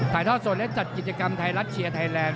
ถ่ายท่อส่วนและจัดกิจกรรมไทรัตเชียร์ไทยแลนด์